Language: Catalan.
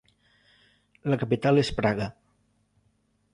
La capital és Praga.